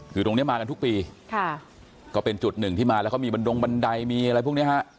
คือตรงนี้มากันทุกปีค่ะก็เป็นจุดหนึ่งที่มาแล้วเขามีบันดงบันไดมีอะไรพวกนี้ฮะ